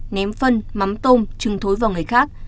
ném phân mắm tôm trừng thối vào người khác